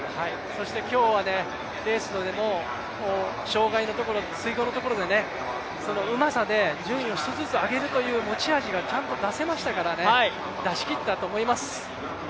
そして今日はレースでも水濠のところでうまさで順位を１つずつ上げるという持ち味がちゃんと出せましたからね、出し切ったと思います。